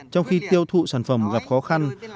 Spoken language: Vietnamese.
trong khi tiêu thụ sản phẩm gặp khó khăn